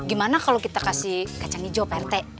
gimana kalau kita kasih kacang hijau pak rt